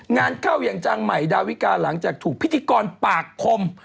งานเข้าอย่างจังใหม่ดาวิกาหลังจากถูกพิธีกรปากคม